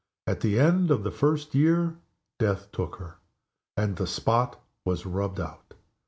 At the end of the first year Death took her and the spot was rubbed out.